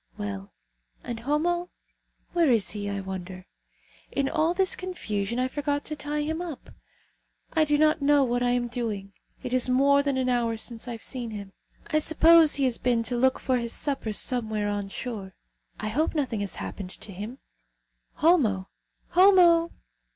Well, and Homo? Where is he, I wonder? In all this confusion I forgot to tie him up. I do not know what I am doing. It is more than an hour since I have seen him. I suppose he has been to look for his supper somewhere ashore. I hope nothing has happened to him. Homo! Homo!"